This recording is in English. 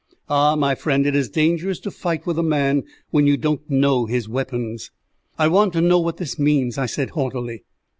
"Ah, my friend, it is dangerous to fight with a man when you don't know his weapons." "I want to know what this means?" I said haughtily.